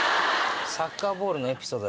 サッカーボールのエピソードだ。